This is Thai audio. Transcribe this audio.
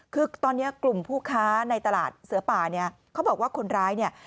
คือตอนนี้กลุ่มผู้ค้าในตลาดเสือป่าเนี่ยเขาบอกว่าคนร้ายเนี่ย